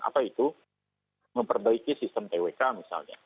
apa itu memperbaiki sistem twk misalnya